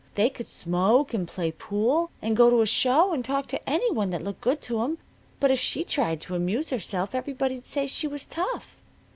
They could smoke, and play pool, and go to a show, and talk to any one that looked good to 'em. But if she tried to amuse herself everybody'd say she was tough.